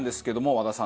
和田さん